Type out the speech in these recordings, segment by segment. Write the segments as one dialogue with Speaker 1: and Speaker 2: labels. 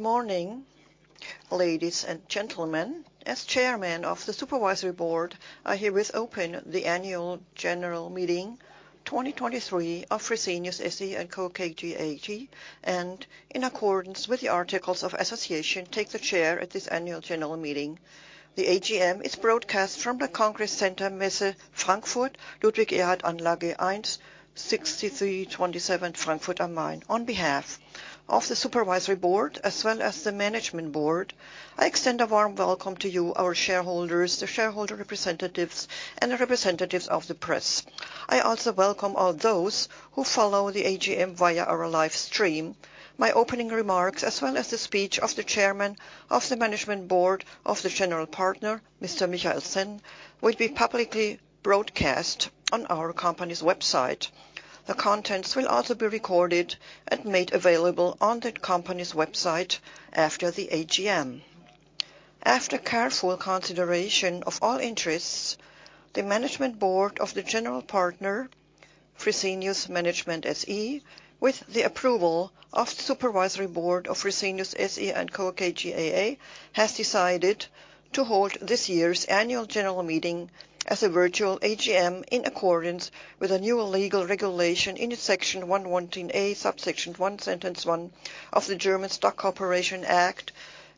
Speaker 1: Good morning, ladies and gentlemen. As Chairman of the Supervisory Board, I herewith open the annual general meeting 2023 of Fresenius SE & Co. KGaA. In accordance with the articles of association, take the chair at this annual general meeting. The AGM is broadcast from the Congress Center Messe Frankfurt, Ludwig-Erhard-Anlage 1, 60327 Frankfurt am Main. On behalf of the Supervisory board, as well as the Management board, I extend a warm welcome to you, our shareholders, the shareholder representatives, and the representatives of the press. I also welcome all those who follow the AGM via our live stream. My opening remarks, as well as the speech of the Chairman of the Management Board of the general partner, Mr. Michael Sen, will be publicly broadcast on our company's website. The contents will also be recorded and made available on the company's website after the AGM. After careful consideration of all interests, the management board of the general partner, Fresenius Management SE, with the approval of the supervisory board of Fresenius SE & Co. KGaA, has decided to hold this year's annual general meeting as a virtual AGM in accordance with the newer legal regulation in Section 118a, subsection 1, sentence 1 of the German Stock Corporation Act,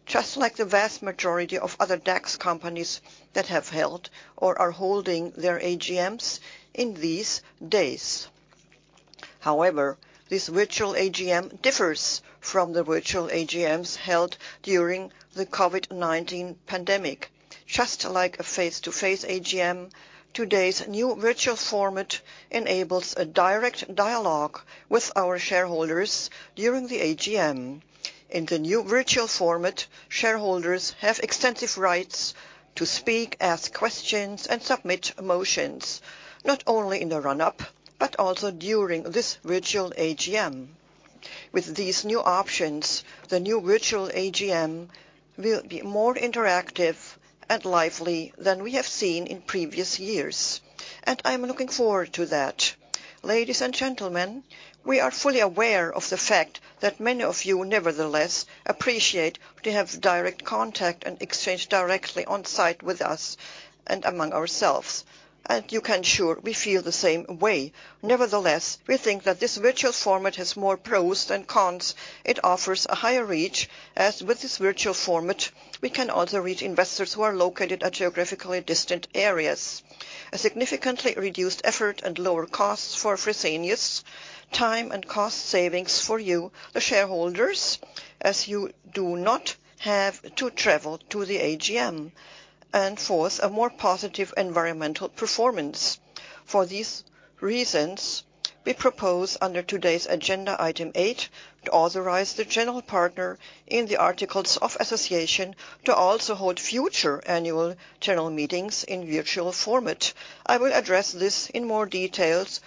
Speaker 1: just like the vast majority of other DAX companies that have held or are holding their AGMs in these days. However, this virtual AGM differs from the virtual AGMs held during the COVID-19 pandemic. Just like a face-to-face AGM, today's new virtual format enables a direct dialogue with our shareholders during the AGM. In the new virtual format, shareholders have extensive rights to speak, ask questions, and submit motions, not only in the run up, but also during this virtual AGM. With these new options, the new virtual AGM will be more interactive and lively than we have seen in previous years, and I'm looking forward to that. Ladies and gentlemen, we are fully aware of the fact that many of you, nevertheless, appreciate to have direct contact and exchange directly on site with us and among ourselves, and you can sure we feel the same way. Nevertheless, we think that this virtual format has more pros than cons. It offers a higher reach, as with this virtual format, we can also reach investors who are located at geographically distant areas. A significantly reduced effort and lower costs for Fresenius, time and cost savings for you, the shareholders, as you do not have to travel to the AGM, and fourth, a more positive environmental performance. For these reasons, we propose under today's agenda item 8 to authorize the general partner in the articles of association to also hold future Annual General Meetings in virtual format. I will address this in more details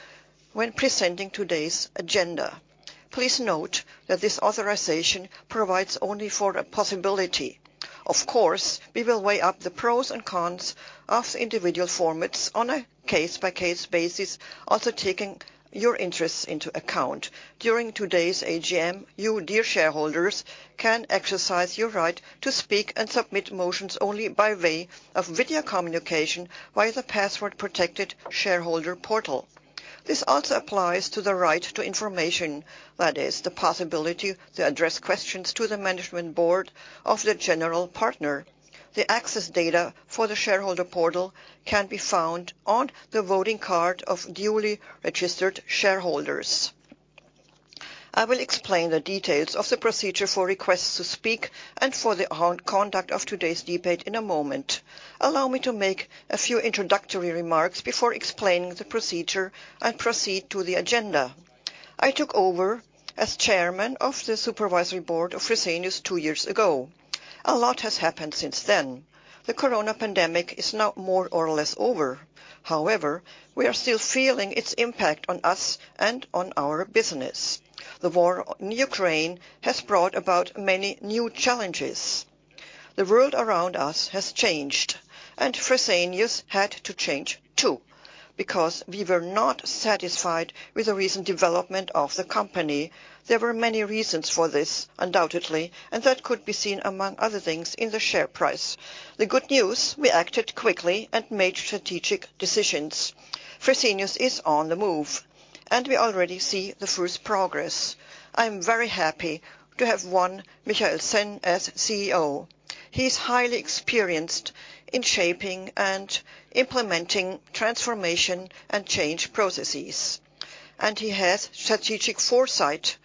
Speaker 1: when presenting today's agenda. Please note that this authorization provides only for a possibility. Of course, we will weigh up the pros and cons of individual formats on a case-by-case basis, also taking your interests into account. During today's AGM, you, dear shareholders, can exercise your right to speak and submit motions only by way of video communication via the password-protected shareholder portal. This also applies to the right to information. That is the possibility to address questions to the Management Board of the general partner. The access data for the shareholder portal can be found on the voting card of duly registered shareholders. I will explain the details of the procedure for requests to speak and for the on conduct of today's debate in a moment. Allow me to make a few introductory remarks before explaining the procedure and proceed to the agenda. I took over as chairman of the supervisory board of Fresenius two years ago. A lot has happened since then. The corona pandemic is now more or less over. However, we are still feeling its impact on us and on our business. The war in Ukraine has brought about many new challenges. The world around us has changed, Fresenius had to change too, because we were not satisfied with the recent development of the company. There were many reasons for this, undoubtedly, that could be seen, among other things, in the share price. The good news, we acted quickly and made strategic decisions. Fresenius is on the move. We already see the first progress. I'm very happy to have won Michael Sen as CEO. He's highly experienced in shaping and implementing transformation and change processes, and he has strategic foresight,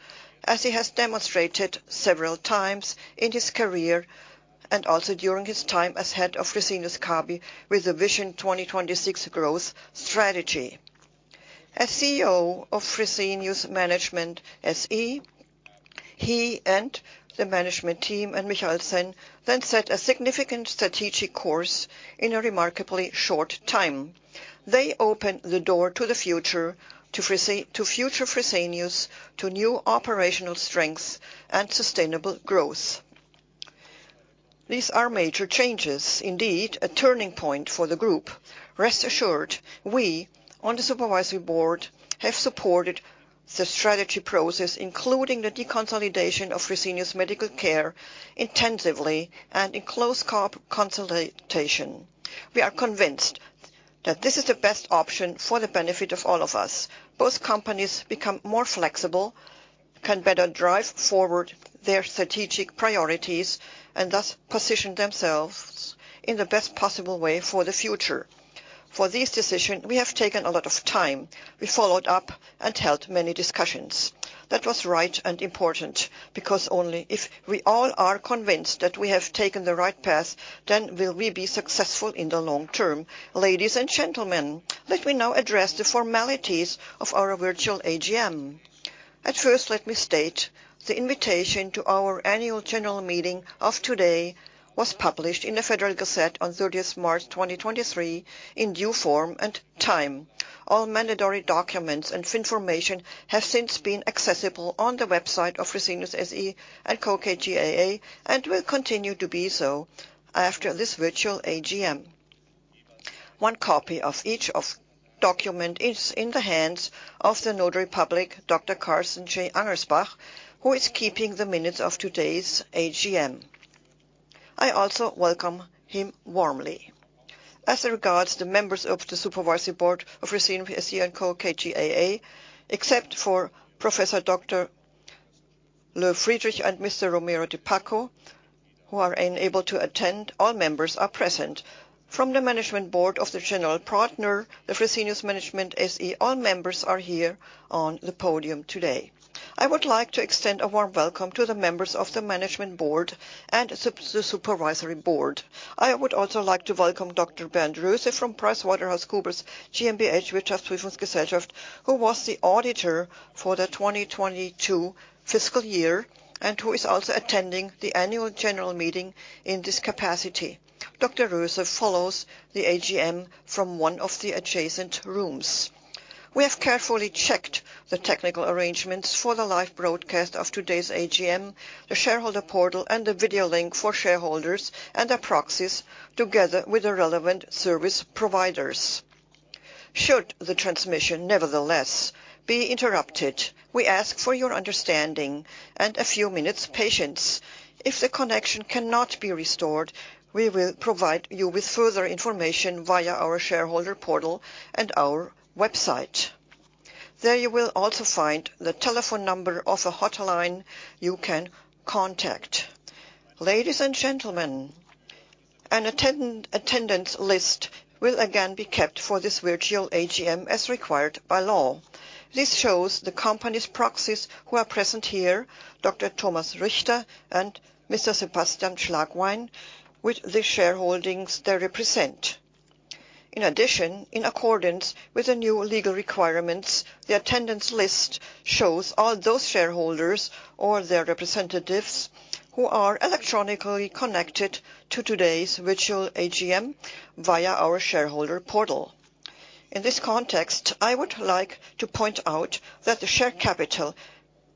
Speaker 1: as he has demonstrated several times in his career and also during his time as head of Fresenius Kabi with the Vision 2026 growth strategy. As CEO of Fresenius Management SE, he and the management team and Michael Sen then set a significant strategic course in a remarkably short time. They opened the door to the future, to future Fresenius to new operational strengths and sustainable growth. These are major changes. Indeed, a turning point for the group. Rest assured, we, on the supervisory board, have supported the strategy process, including the deconsolidation of Fresenius Medical Care intensively and in close consultation. We are convinced that this is the best option for the benefit of all of us. Both companies become more flexible, can better drive forward their strategic priorities, and thus position themselves in the best possible way for the future. For this decision, we have taken a lot of time. We followed up and held many discussions. That was right and important, because only if we all are convinced that we have taken the right path, then will we be successful in the long term. Ladies and gentlemen, let me now address the formalities of our virtual AGM. At first, let me state the invitation to our annual general meeting of today was published in the Federal Gazette on 30th March, 2023, in due form and time. All mandatory documents and information have since been accessible on the website of Fresenius SE & Co. KGaA, and will continue to be so after this virtual AGM. One copy of each of document is in the hands of the Notary Public, Dr. Carsten J. Angersbach, who is keeping the minutes of today's AGM. I also welcome him warmly. As regards to members of the supervisory board of Fresenius SE & Co. KGaA, except for Professor Dr. Lohr Friedrich and Mr. Romero-Dipacco, who are unable to attend, all members are present. From the management board of the general partner, the Fresenius Management SE, all members are here on the podium today. I would like to extend a warm welcome to the members of the management board and supervisory board. I would also like to welcome Dr. Bernd Roese from PricewaterhouseCoopers GmbH Wirtschaftsprüfungsgesellschaft, who was the auditor for the 2022 fiscal year, and who is also attending the annual general meeting in this capacity. Rüße follows the AGM from one of the adjacent rooms. We have carefully checked the technical arrangements for the live broadcast of today's AGM, the shareholder portal, and the video link for shareholders and their proxies together with the relevant service providers. Should the transmission nevertheless be interrupted, we ask for your understanding and a few minutes patience. If the connection cannot be restored, we will provide you with further information via our shareholder portal and our website. There you will also find the telephone number of the hotline you can contact. Ladies and gentlemen, an attendance list will again be kept for this virtual AGM as required by law. This shows the company's proxies who are present here, Dr. Thomas Richter and Mr. Sebastian Schlagwein, with the shareholdings they represent. In addition, in accordance with the new legal requirements, the attendance list shows all those shareholders or their representatives who are electronically connected to today's virtual AGM via our shareholder portal. In this context, I would like to point out that the share capital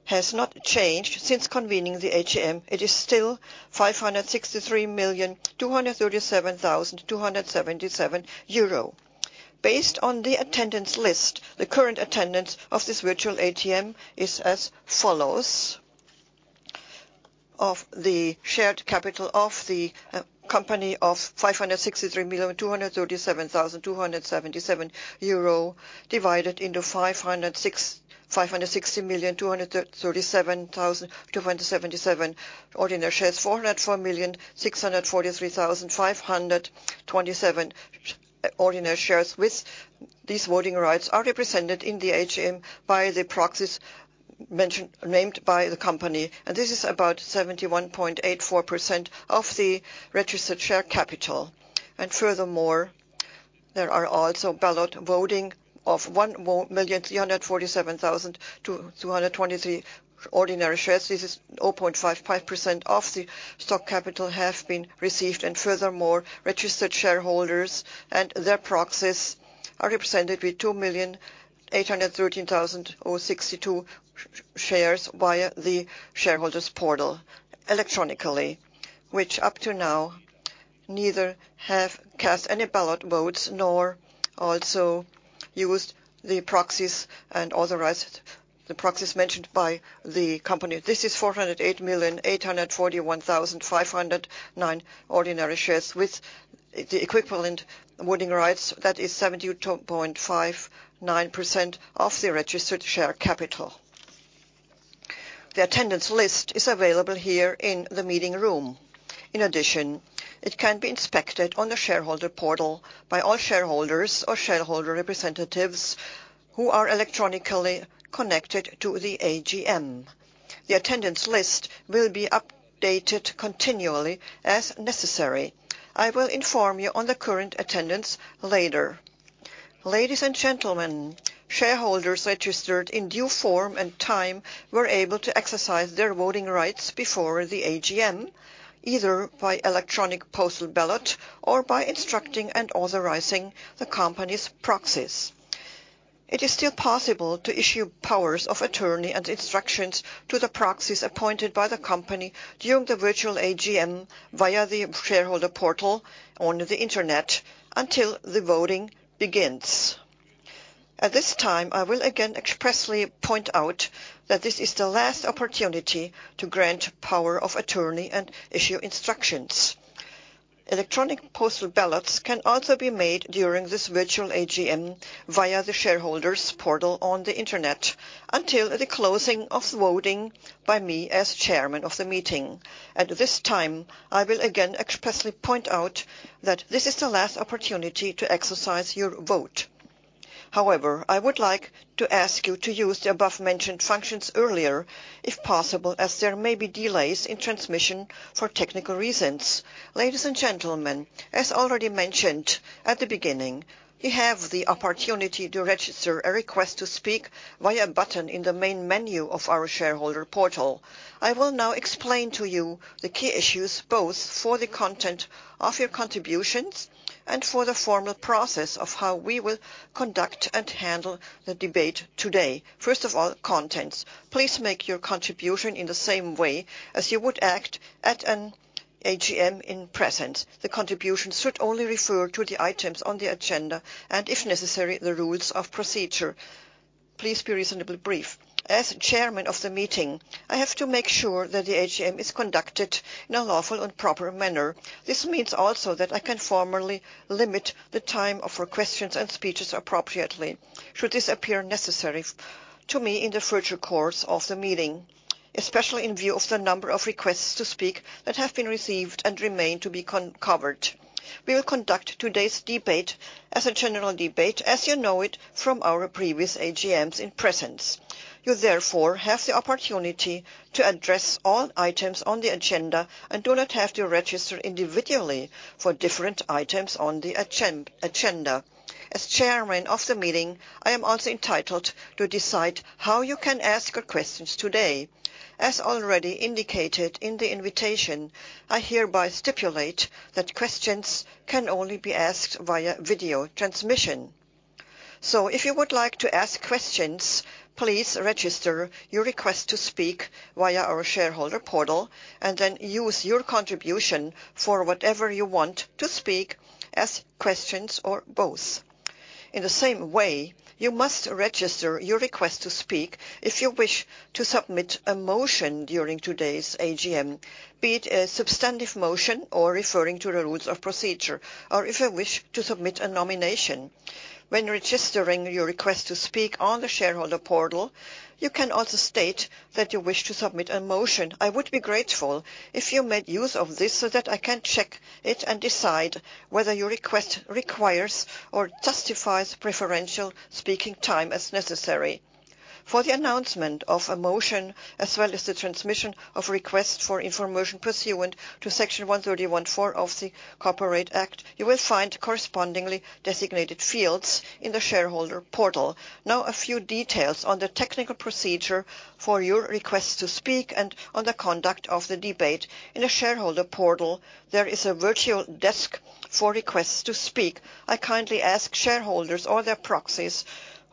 Speaker 1: has not changed since convening the AGM. It is still 563,237,277 euro. Based on the attendance list, the current attendance of this virtual AGM is as follows. Of the shared capital of the company of 563,237,277 euro divided into 560,237,277 ordinary shares, 404,643,527 ordinary shares with these voting rights are represented in the AGM by the proxies named by the company, and this is about 71.84% of the registered share capital. Furthermore, there are also ballot voting of 1,347,223 ordinary shares. This is 0.55% of the stock capital have been received. Furthermore, registered shareholders and their proxies are represented with 2,813,062 shares via the shareholders portal electronically. Which up to now neither have cast any ballot votes nor also used the proxies and authorized the proxies mentioned by the company. This is 408,841,509 ordinary shares with the equivalent voting rights. That is 72.59% of the registered share capital. The attendance list is available here in the meeting room. In addition, it can be inspected on the shareholder portal by all shareholders or shareholder representatives who are electronically connected to the AGM. The attendance list will be updated continually as necessary. I will inform you on the current attendance later. Ladies and gentlemen, shareholders registered in due form and time were able to exercise their voting rights before the AGM, either by electronic postal ballot or by instructing and authorizing the company's proxies. It is still possible to issue powers of attorney and instructions to the proxies appointed by the company during the virtual AGM via the shareholder portal on the internet until the voting begins. At this time, I will again expressly point out that this is the last opportunity to grant power of attorney and issue instructions. Electronic postal ballots can also be made during this virtual AGM via the shareholder portal on the internet until the closing of the voting by me as chairman of the meeting. At this time, I will again expressly point out that this is the last opportunity to exercise your vote. However, I would like to ask you to use the above-mentioned functions earlier, if possible, as there may be delays in transmission for technical reasons. Ladies and gentlemen, as already mentioned at the beginning, you have the opportunity to register a request to speak via a button in the main menu of our shareholder portal. I will now explain to you the key issues, both for the content of your contributions and for the formal process of how we will conduct and handle the debate today. First of all, contents. Please make your contribution in the same way as you would act at an AGM in presence. The contribution should only refer to the items on the agenda, and if necessary, the rules of procedure. Please be reasonably brief. As chairman of the meeting, I have to make sure that the AGM is conducted in a lawful and proper manner. This means also that I can formally limit the time of your questions and speeches appropriately should this appear necessary to me in the virtual course of the meeting. Especially in view of the number of requests to speak that have been received and remain to be covered. We will conduct today's debate as a general debate, as you know it from our previous AGMs in presence. You therefore have the opportunity to address all items on the agenda and do not have to register individually for different items on the agenda. As chairman of the meeting, I am also entitled to decide how you can ask your questions today. As already indicated in the invitation, I hereby stipulate that questions can only be asked via video transmission. If you would like to ask questions, please register your request to speak via our shareholder portal and then use your contribution for whatever you want to speak as questions or both. In the same way, you must register your request to speak if you wish to submit a motion during today's AGM, be it a substantive motion or referring to the rules of procedure, or if you wish to submit a nomination. When registering your request to speak on the shareholder portal, you can also state that you wish to submit a motion. I would be grateful if you made use of this so that I can check it and decide whether your request requires or justifies preferential speaking time as necessary. For the announcement of a motion, as well as the transmission of request for information pursuant to Section 131 (4) of the German Stock Corporation Act, you will find correspondingly designated fields in the shareholder portal. A few details on the technical procedure for your request to speak and on the conduct of the debate. In the shareholder portal, there is a virtual desk for requests to speak. I kindly ask shareholders or their proxies,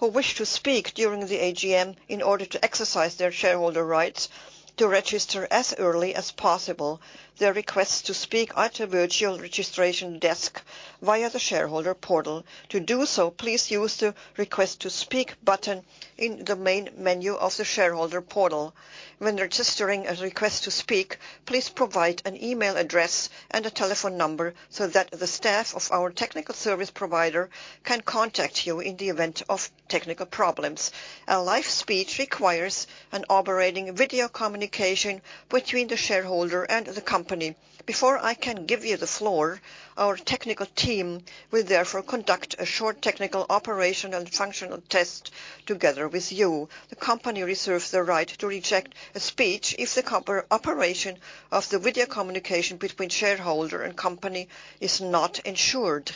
Speaker 1: who wish to speak during the AGM in order to exercise their shareholder rights, to register as early as possible their request to speak at a virtual registration desk via the shareholder portal. To do so, please use the Request to Speak button in the main menu of the shareholder portal. When registering a request to speak, please provide an email address and a telephone number so that the staff of our technical service provider can contact you in the event of technical problems. A live speech requires an operating video communication between the shareholder and the company. Before I can give you the floor, our technical team will therefore conduct a short technical operation and functional test together with you. The company reserves the right to reject a speech if the operation of the video communication between shareholder and company is not ensured.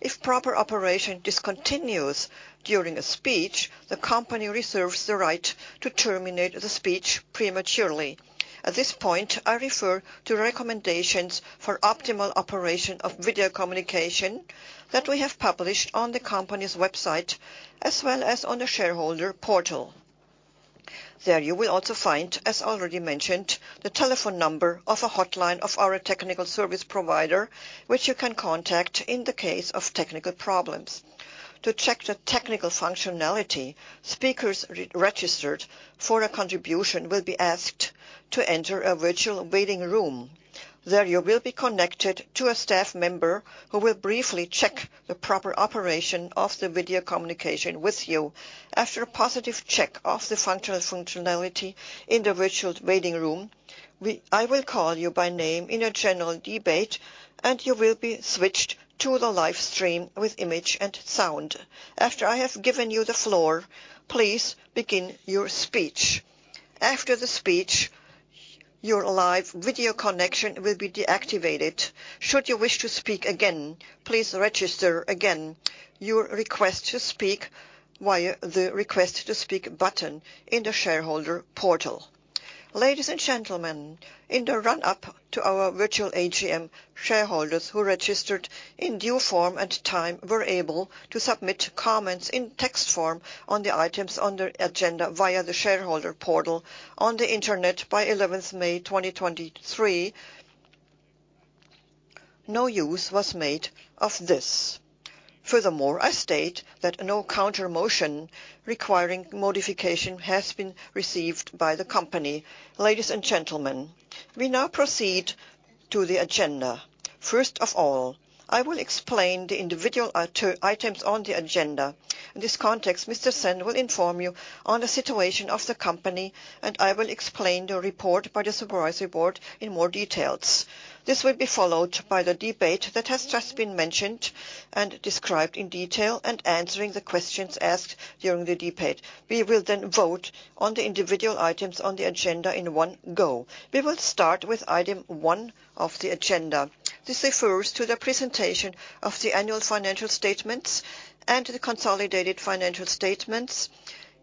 Speaker 1: If proper operation discontinues during a speech, the company reserves the right to terminate the speech prematurely. At this point, I refer to recommendations for optimal operation of video communication that we have published on the company's website, as well as on the shareholder portal. There you will also find, as already mentioned, the telephone number of a hotline of our technical service provider, which you can contact in the case of technical problems. To check the technical functionality, speakers re-registered for a contribution will be asked to enter a virtual waiting room. There you will be connected to a staff member who will briefly check the proper operation of the video communication with you. After a positive check of the functional functionality in the virtual waiting room, I will call you by name in a general debate, and you will be switched to the live stream with image and sound. After I have given you the floor, please begin your speech. After the speech, your live video connection will be deactivated. Should you wish to speak again, please register again your request to speak via the Request to Speak button in the shareholder portal. Ladies and gentlemen, in the run-up to our virtual AGM, shareholders who registered in due form and time were able to submit comments in text form on the items on the agenda via the shareholder portal on the internet by May 11, 2023. No use was made of this. Furthermore, I state that no counter motion requiring modification has been received by the company. Ladies and gentlemen, we now proceed to the agenda. First of all, I will explain the items on the agenda. In this context, Mr. Sen will inform you on the situation of the company, and I will explain the report by the Supervisory Board in more details. This will be followed by the debate that has just been mentioned and described in detail and answering the questions asked during the debate. We will vote on the individual items on the agenda in one go. We will start with item one of the agenda. This refers to the presentation of the annual financial statements and the consolidated financial statements,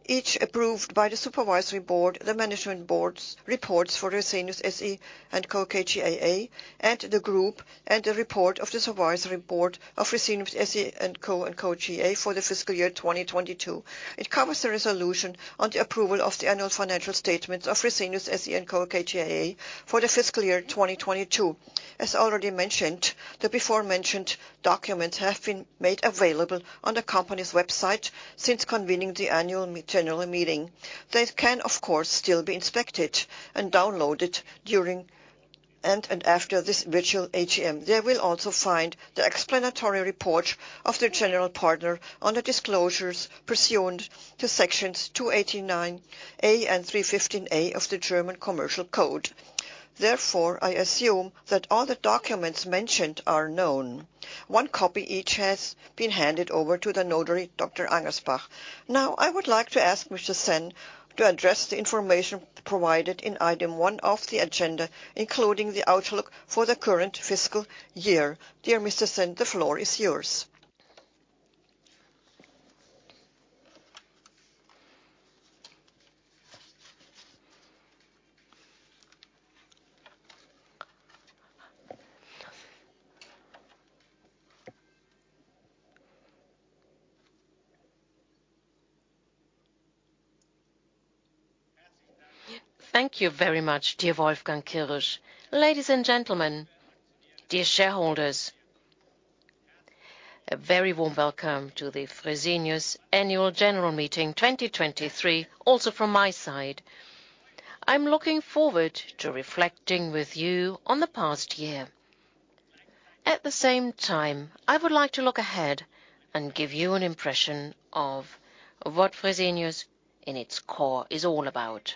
Speaker 1: each approved by the Supervisory Board, the management boards, reports for the Fresenius SE & Co. KGaA, and the group and the report of the Supervisory Board of Fresenius SE & Co. KGaA for the fiscal year 2022. It covers the resolution on the approval of the annual financial statements of Fresenius SE & Co. KGaA for the fiscal year 2022. As already mentioned, the before-mentioned documents have been made available on the company's website since convening the annual general meeting. They can of course still be inspected and downloaded during and after this virtual AGM. We'll also find the explanatory report of the general partner on the disclosures pursued to Sections 289a and 315a of the German Commercial Code. I assume that all the documents mentioned are known. One copy each has been handed over to the notary, Dr. Angersbach. I would like to ask Mr. Sen to address the information provided in item 1 of the agenda, including the outlook for the current fiscal year. Dear Mr. Sen, the floor is yours.
Speaker 2: Thank you very much, dear Wolfgang Kirsch. Ladies and gentlemen, dear shareholders, a very warm welcome to the Fresenius Annual General Meeting 2023, also from my side. I'm looking forward to reflecting with you on the past year. At the same time, I would like to look ahead and give you an impression of what Fresenius in its core is all about.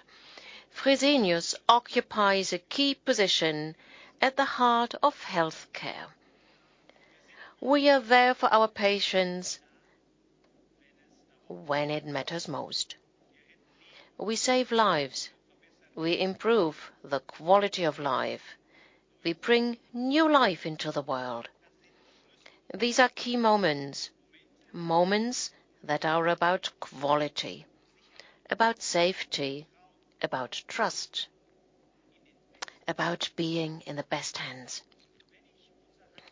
Speaker 2: Fresenius occupies a key position at the heart of healthcare. We are there for our patients when it matters most. We save lives. We improve the quality of life. We bring new life into the world. These are key moments that are about quality, about safety, about trust, about being in the best hands.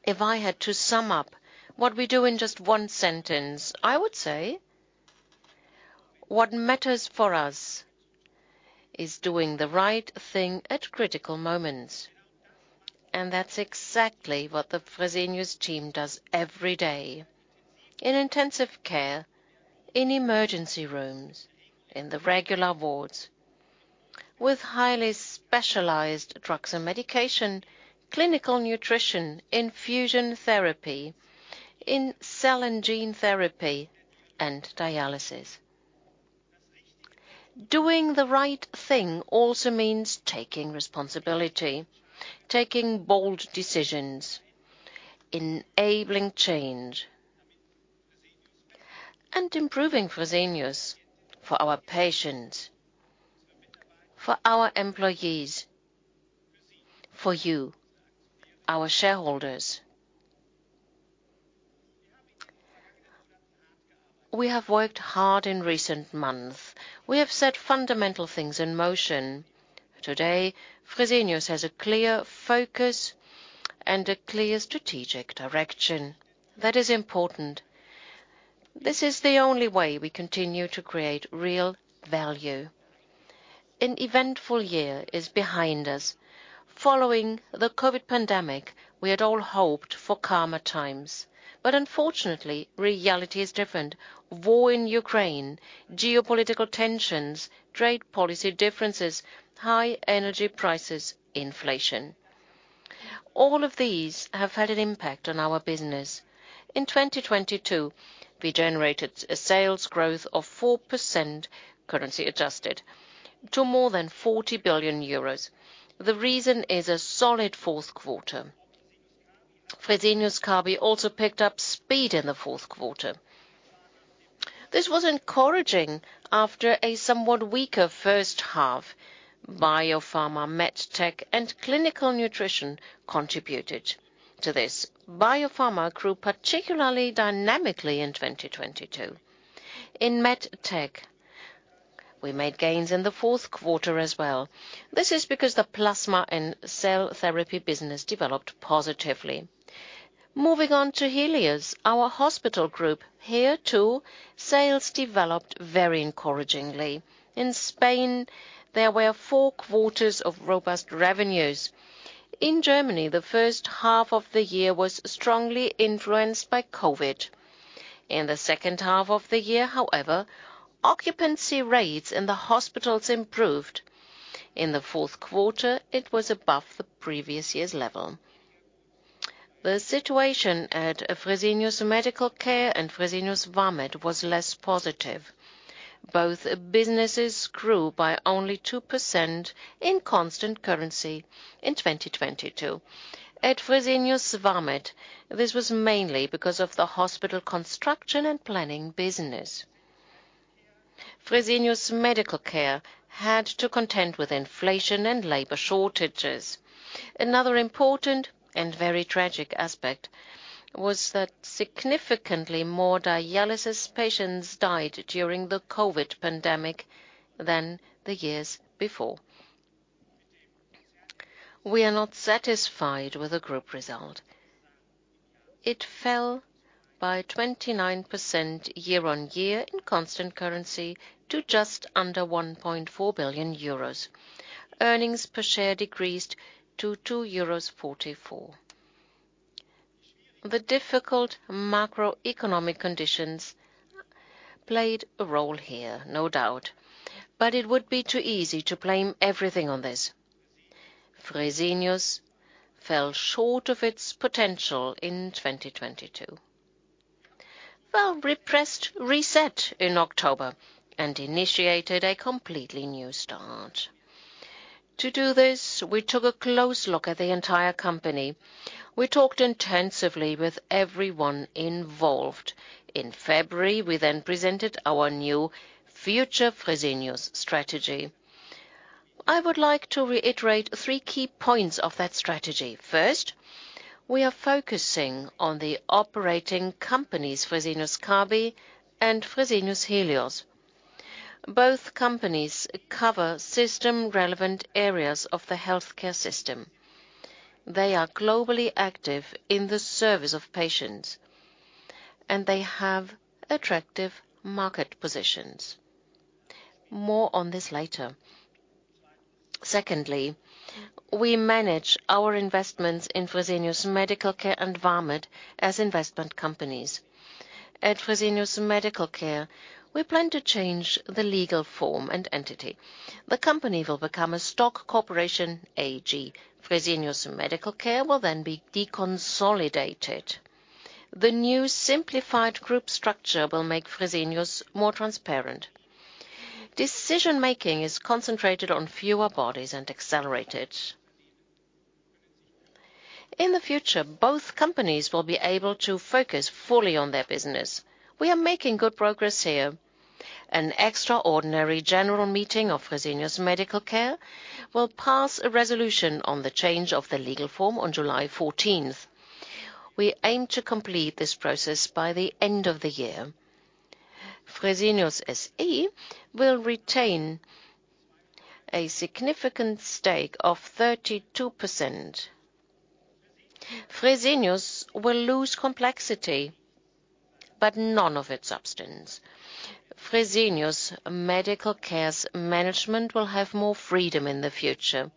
Speaker 2: If I had to sum up what we do in just one sentence, I would say what matters for us is doing the right thing at critical moments, and that's exactly what the Fresenius team does every day in intensive care, in emergency rooms, in the regular wards, with highly specialized drugs and medication, Clinical Nutrition, infusion therapy, in cell and gene therapy, and dialysis. Doing the right thing also means taking responsibility, taking bold decisions, enabling change, and improving Fresenius for our patients, for our employees, for you, our shareholders. We have worked hard in recent months. We have set fundamental things in motion. Today, Fresenius has a clear focus and a clear strategic direction. That is important. This is the only way we continue to create real value. An eventful year is behind us. Following the COVID pandemic, we had all hoped for calmer times. Unfortunately, reality is different. War in Ukraine, geopolitical tensions, trade policy differences, high energy prices, inflation. All of these have had an impact on our business. In 2022, we generated a sales growth of 4%, currency adjusted, to more than 40 billion euros. The reason is a solid fourth quarter. Fresenius Kabi also picked up speed in the fourth quarter. This was encouraging after a somewhat weaker first half. Biopharma, MedTech, and Clinical Nutrition contributed to this. Biopharma grew particularly dynamically in 2022. In MedTech, we made gains in the fourth quarter as well. This is because the plasma and cell therapy business developed positively. Moving on to Helios, our hospital group. Here, too, sales developed very encouragingly. In Spain, there were four quarters of robust revenues. In Germany, the first half of the year was strongly influenced by COVID. In the second half of the year, however, occupancy rates in the hospitals improved. In the fourth quarter, it was above the previous year's level. The situation at Fresenius Medical Care and Fresenius Vamed was less positive. Both businesses grew by only 2% in constant currency in 2022. At Fresenius Vamed, this was mainly because of the hospital construction and planning business. Fresenius Medical Care had to contend with inflation and labor shortages. Another important and very tragic aspect was that significantly more dialysis patients died during the COVID-19 pandemic than the years before. We are not satisfied with the group result. It fell by 29% year-on-year in constant currency to just under 1.4 billion euros. Earnings per share decreased to 2.44 euros. The difficult macroeconomic conditions played a role here, no doubt, but it would be too easy to blame everything on this. Fresenius fell short of its potential in 2022. We pressed reset in October and initiated a completely new start. To do this, we took a close look at the entire company. We talked intensively with everyone involved. In February, we then presented our new #FutureFresenius strategy. I would like to reiterate three key points of that strategy. First, we are focusing on the operating companies, Fresenius Kabi and Fresenius Helios. Both companies cover system-relevant areas of the healthcare system. They are globally active in the service of patients, and they have attractive market positions. More on this later. Secondly, we manage our investments in Fresenius Medical Care and Vamed as investment companies. At Fresenius Medical Care, we plan to change the legal form and entity. The company will become a stock corporation AG. Fresenius Medical Care will be deconsolidated. The new simplified group structure will make Fresenius more transparent. Decision-making is concentrated on fewer bodies and accelerated. In the future, both companies will be able to focus fully on their business. We are making good progress here. An extraordinary general meeting of Fresenius Medical Care will pass a resolution on the change of the legal form on July 14th. We aim to complete this process by the end of the year. Fresenius SE will retain a significant stake of 32%. Fresenius will lose complexity, but none of its substance. Fresenius Medical Care's management will have more freedom in the future,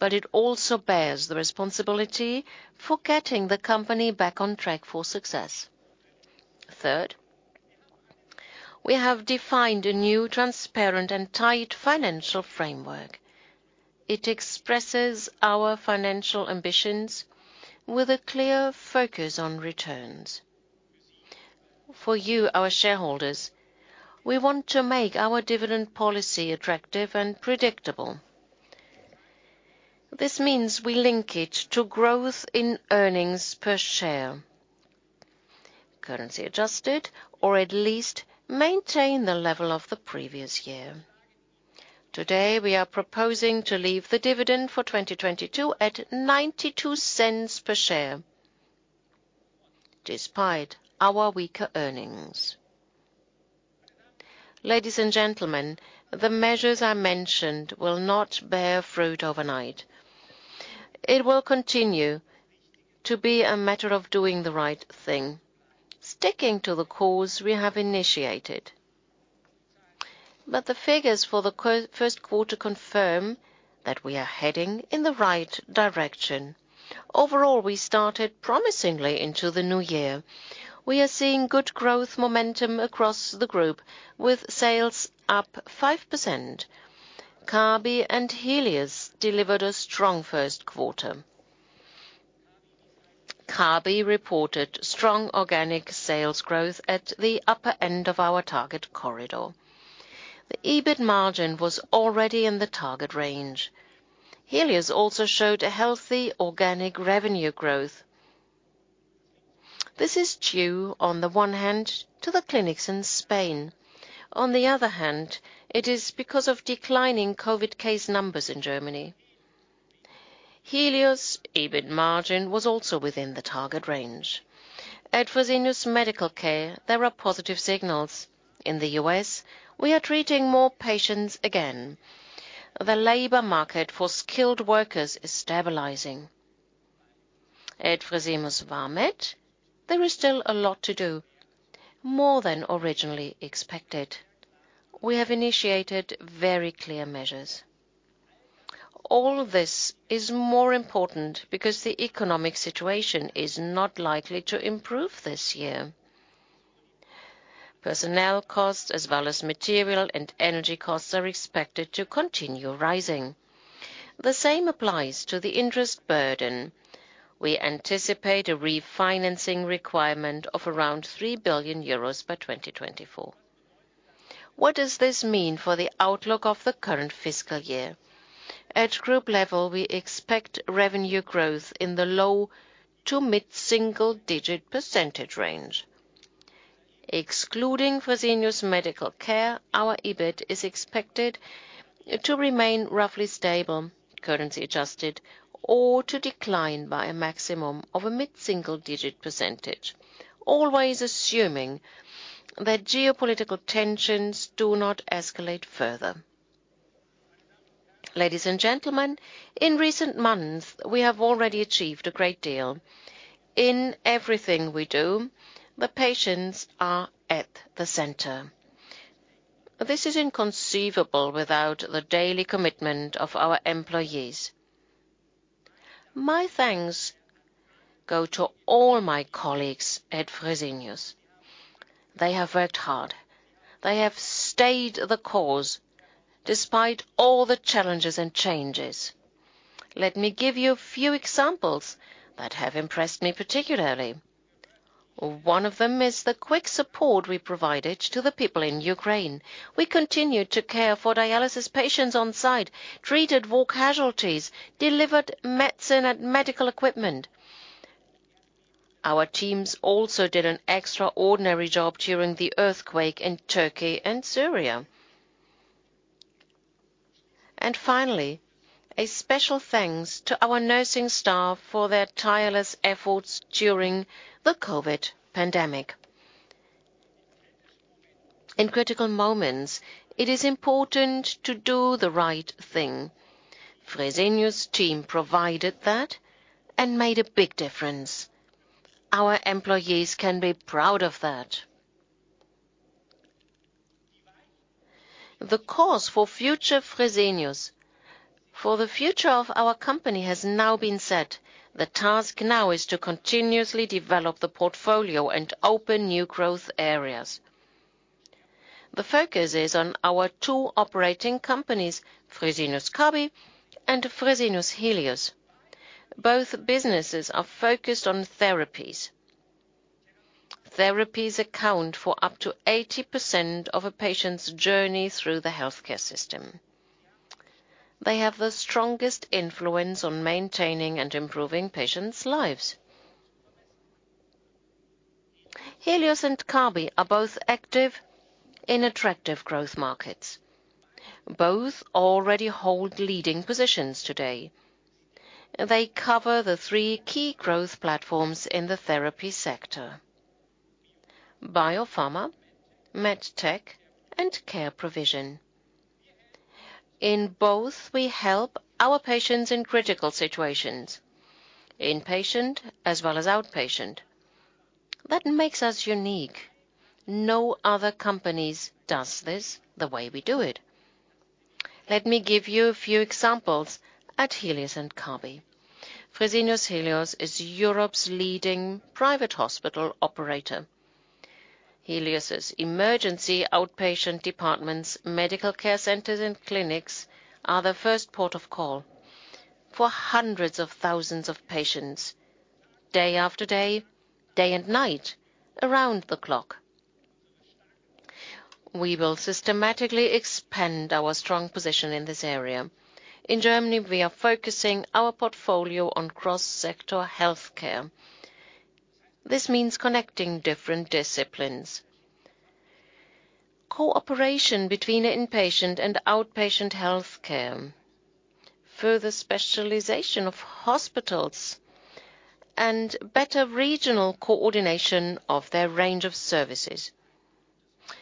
Speaker 2: but it also bears the responsibility for getting the company back on track for success. Third, we have defined a new, transparent, and tight financial framework. It expresses our financial ambitions with a clear focus on returns. For you, our shareholders, we want to make our dividend policy attractive and predictable. This means we link it to growth in earnings per share, currency adjusted, or at least maintain the level of the previous year. Today, we are proposing to leave the dividend for 2022 at 0.92 per share despite our weaker earnings. Ladies and gentlemen, the measures I mentioned will not bear fruit overnight. It will continue to be a matter of doing the right thing, sticking to the course we have initiated. The figures for the first quarter confirm that we are heading in the right direction. Overall, we started promisingly into the new year. We are seeing good growth momentum across the group with sales up 5%. Kabi and Helios delivered a strong first quarter. Kabi reported strong organic sales growth at the upper end of our target corridor. The EBIT margin was already in the target range. Helios also showed a healthy organic revenue growth. This is due, on the one hand, to the clinics in Spain. it is because of declining COVID case numbers in Germany. Helios EBIT margin was also within the target range. At Fresenius Medical Care, there are positive signals. In the U.S., we are treating more patients again. The labor market for skilled workers is stabilizing. At Fresenius Vamed, there is still a lot to do, more than originally expected. We have initiated very clear measures. All of this is more important because the economic situation is not likely to improve this year. Personnel costs as well as material and energy costs are expected to continue rising. The same applies to the interest burden. We anticipate a refinancing requirement of around 3 billion euros by 2024. What does this mean for the outlook of the current fiscal year? At group level, we expect revenue growth in the low to mid-single digit % range. Excluding Fresenius Medical Care, our EBIT is expected to remain roughly stable, currency adjusted, or to decline by a maximum of a mid-single digit %, always assuming that geopolitical tensions do not escalate further. Ladies and gentlemen, in recent months, we have already achieved a great deal. In everything we do, the patients are at the center. This is inconceivable without the daily commitment of our employees. My thanks go to all my colleagues at Fresenius. They have worked hard. They have stayed the course despite all the challenges and changes. Let me give you a few examples that have impressed me particularly. One of them is the quick support we provided to the people in Ukraine. We continued to care for dialysis patients on site, treated war casualties, delivered medicine and medical equipment. Our teams also did an extraordinary job during the earthquake in Turkey and Syria. Finally, a special thanks to our nursing staff for their tireless efforts during the COVID pandemic. In critical moments, it is important to do the right thing. Fresenius team provided that and made a big difference. Our employees can be proud of that. The course for #FutureFresenius. For the future of our company has now been set. The task now is to continuously develop the portfolio and open new growth areas. The focus is on our two operating companies, Fresenius Kabi and Fresenius Helios. Both businesses are focused on therapies. Therapies account for up to 80% of a patient's journey through the healthcare system. They have the strongest influence on maintaining and improving patients' lives. Helios and Kabi are both active in attractive growth markets. Both already hold leading positions today. They cover the three key growth platforms in the therapy sector: Biopharma, MedTech, and care provision. In both, we help our patients in critical situations, inpatient as well as outpatient. That makes us unique. No other companies does this the way we do it. Let me give you a few examples at Helios and Kabi. Fresenius Helios is Europe's leading private hospital operator. Helios' emergency outpatient departments, medical care centers and clinics are the first port of call for hundreds of thousands of patients day after day and night around the clock. We will systematically expand our strong position in this area. In Germany, we are focusing our portfolio on cross-sector healthcare. This means connecting different disciplines. Cooperation between inpatient and outpatient health care, further specialization of hospitals, and better regional coordination of their range of services.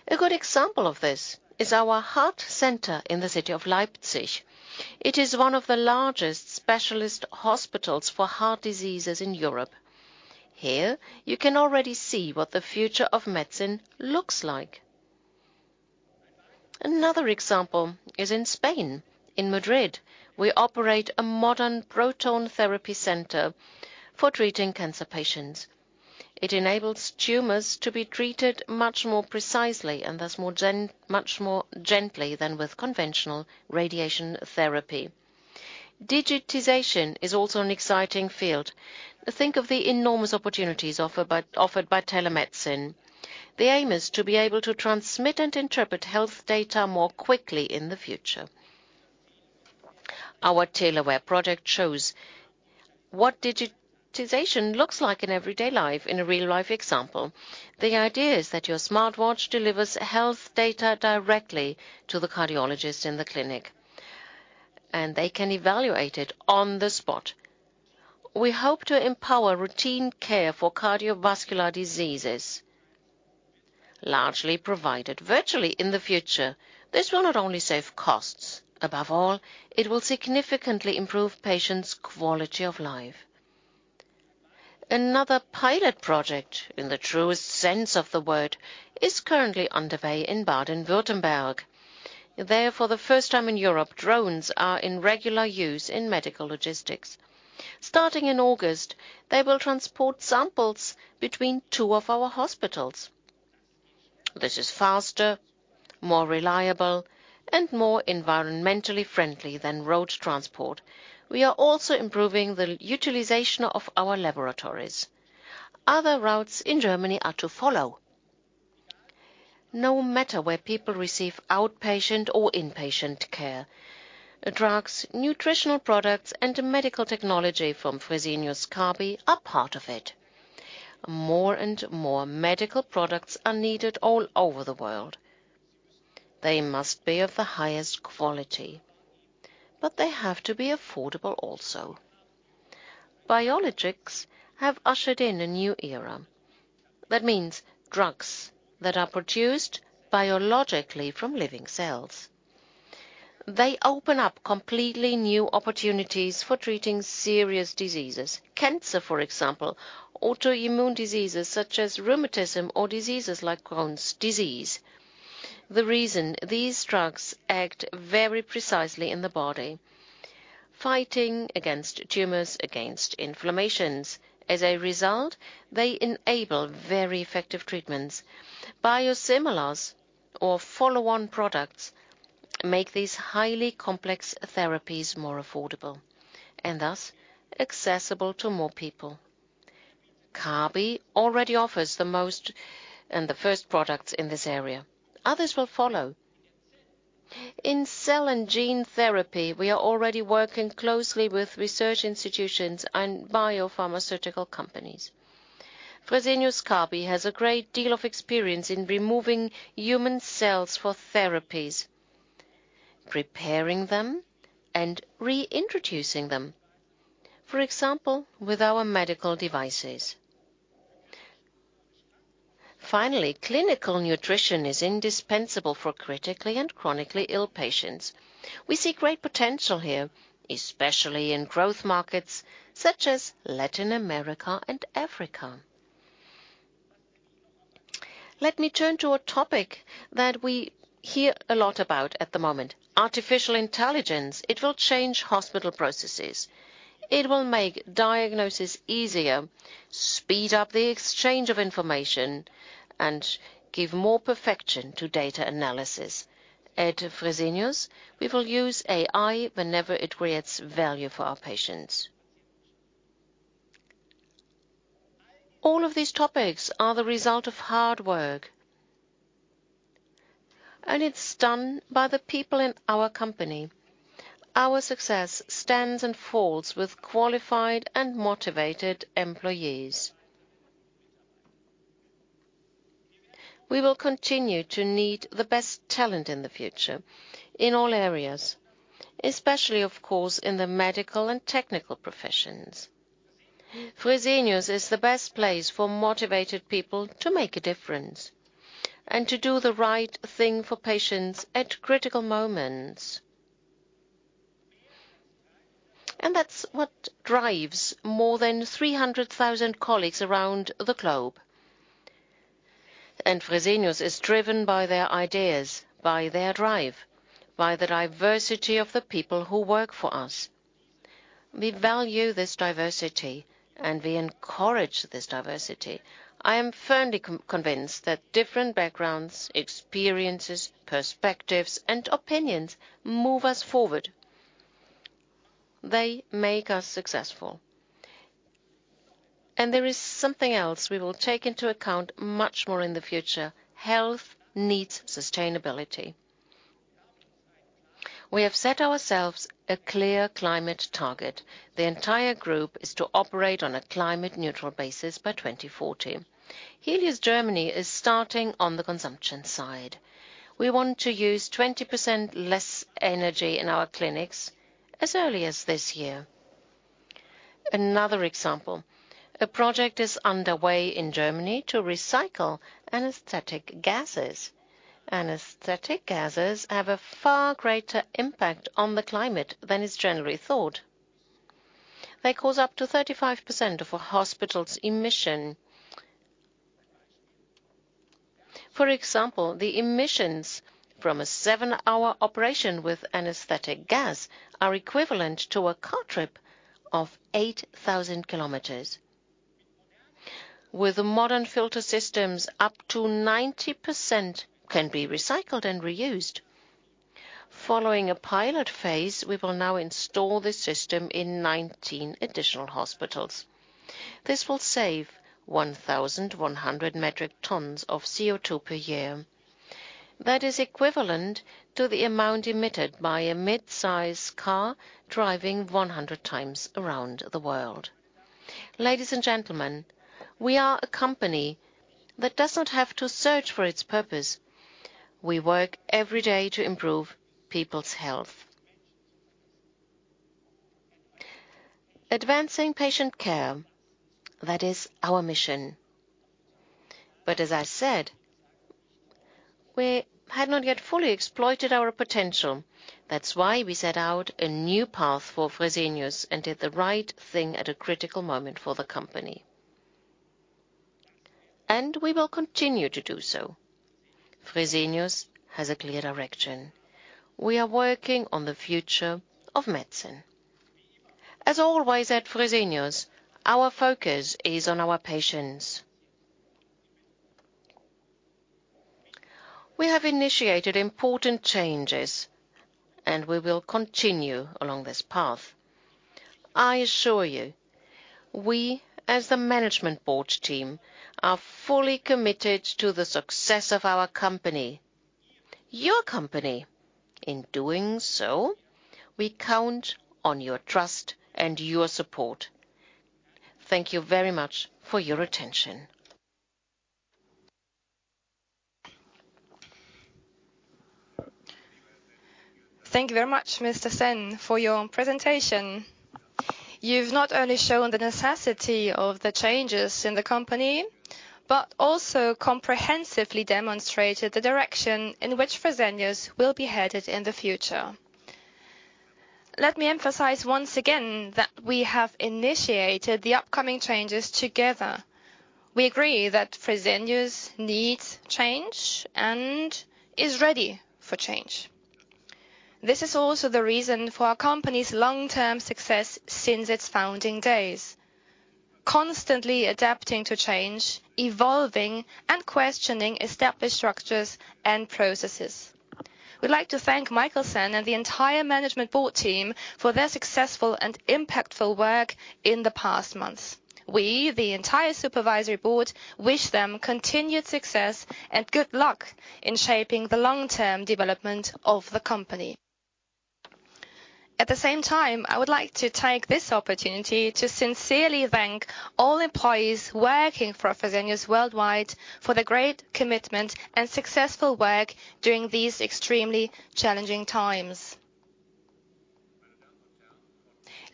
Speaker 2: A good example of this is our heart center in the city of Leipzig. It is one of the largest specialist hospitals for heart diseases in Europe. Here you can already see what the future of medicine looks like. Another example is in Spain. In Madrid, we operate a modern proton therapy center for treating cancer patients. It enables tumors to be treated much more precisely and thus much more gently than with conventional radiation therapy. Digitization is also an exciting field. Think of the enormous opportunities offered by telemedicine. The aim is to be able to transmit and interpret health data more quickly in the future. Our TailorWhere project shows what digitization looks like in everyday life in a real-life example. The idea is that your smartwatch delivers health data directly to the cardiologist in the clinic, and they can evaluate it on the spot. We hope to empower routine care for cardiovascular diseases largely provided virtually in the future. This will not only save costs. Above all, it will significantly improve patients' quality of life. Another pilot project, in the truest sense of the word, is currently underway in Baden-Württemberg. There for the first time in Europe, drones are in regular use in medical logistics. Starting in August, they will transport samples between two of our hospitals. This is faster, more reliable, and more environmentally friendly than road transport. We are also improving the utilization of our laboratories. Other routes in Germany are to follow. No matter where people receive outpatient or inpatient care, drugs, nutritional products, and medical technology from Fresenius Kabi are part of it. More and more medical products are needed all over the world. They must be of the highest quality, but they have to be affordable also. Biologics have ushered in a new era. That means drugs that are produced biologically from living cells. They open up completely new opportunities for treating serious diseases. Cancer, for example, autoimmune diseases such as rheumatism or diseases like Crohn's disease. The reason these drugs act very precisely in the body, fighting against tumors, against inflammations. As a result, they enable very effective treatments. Biosimilars or follow-on products make these highly complex therapies more affordable and thus accessible to more people. Kabi already offers the most and the first products in this area. Others will follow. In cell and gene therapy, we are already working closely with research institutions and biopharmaceutical companies. Fresenius Kabi has a great deal of experience in removing human cells for therapies, preparing them, and reintroducing them, for example, with our medical devices. Finally, Clinical Nutrition is indispensable for critically and chronically ill patients. We see great potential here, especially in growth markets such as Latin America and Africa. Let me turn to a topic that we hear a lot about at the moment, artificial intelligence. It will change hospital processes. It will make diagnosis easier, speed up the exchange of information, and give more perfection to data analysis. At Fresenius, we will use AI whenever it creates value for our patients. All of these topics are the result of hard work, and it's done by the people in our company. Our success stands and falls with qualified and motivated employees. We will continue to need the best talent in the future in all areas, especially, of course, in the medical and technical professions. Fresenius is the best place for motivated people to make a difference and to do the right thing for patients at critical moments. That's what drives more than 300,000 colleagues around the globe. Fresenius is driven by their ideas, by their drive, by the diversity of the people who work for us. We value this diversity, and we encourage this diversity. I am firmly convinced that different backgrounds, experiences, perspectives, and opinions move us forward. They make us successful. There is something else we will take into account much more in the future. Health needs sustainability. We have set ourselves a clear climate target. The entire group is to operate on a climate neutral basis by 2014. Helios Germany is starting on the consumption side. We want to use 20% less energy in our clinics as early as this year. Another example, a project is underway in Germany to recycle anesthetic gases. Anesthetic gases have a far greater impact on the climate than is generally thought. They cause up to 35% of a hospital's emission. For example, the emissions from a 7-hour operation with anesthetic gas are equivalent to a car trip of 8,000 kilometers. With the modern filter systems, up to 90% can be recycled and reused. Following a pilot phase, we will now install this system in 19 additional hospitals. This will save 1,100 metric tons of CO2 per year. That is equivalent to the amount emitted by a mid-size car driving 100 times around the world. Ladies and gentlemen, we are a company that doesn't have to search for its purpose. We work every day to improve people's health. Advancing patient care, that is our mission. As I said, we had not yet fully exploited our potential. That's why we set out a new path for Fresenius and did the right thing at a critical moment for the company. We will continue to do so. Fresenius has a clear direction. We are working on the future of medicine. As always, at Fresenius, our focus is on our patients. We have initiated important changes, and we will continue along this path. I assure you, we, as the management board team, are fully committed to the success of our company, your company. In doing so, we count on your trust and your support. Thank you very much for your attention.
Speaker 1: Thank you very much, Mr. Sen, for your presentation. You've not only shown the necessity of the changes in the company but also comprehensively demonstrated the direction in which Fresenius will be headed in the future. Let me emphasize once again that we have initiated the upcoming changes together. We agree that Fresenius needs change and is ready for change. This is also the reason for our company's long-term success since its founding days. Constantly adapting to change, evolving, and questioning established structures and processes. We'd like to thank Michael Sen and the entire management board team for their successful and impactful work in the past months. We, the entire supervisory board, wish them continued success and good luck in shaping the long-term development of the company. At the same time, I would like to take this opportunity to sincerely thank all employees working for Fresenius worldwide for their great commitment and successful work during these extremely challenging times.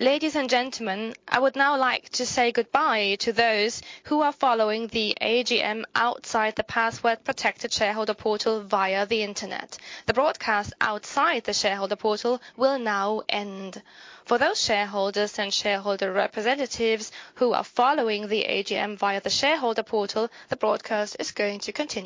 Speaker 1: Ladies and gentlemen, I would now like to say goodbye to those who are following the AGM outside the password-protected shareholder portal via the Internet. The broadcast outside the shareholder portal will now end. For those shareholders and shareholder representatives who are following the AGM via the shareholder portal, the broadcast is going to continue.